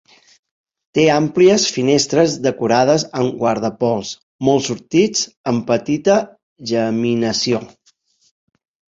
Té àmplies finestres decorades amb guardapols molts sortits amb petita geminació.